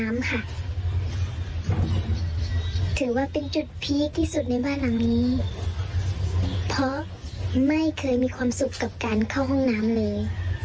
ไม่เคยมีความสุขกับการเข้าห้องน้ำเลย